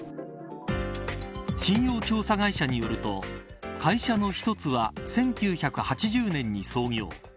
信用調査会社によると会社の１つは１９８０年に創業。